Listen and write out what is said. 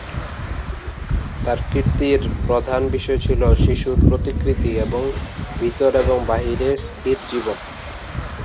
তার কীর্তির প্রধান বিষয় ছিল শিশুর প্রতিকৃতি এবং ভিতর এবং বাহিরে স্থির জীবন।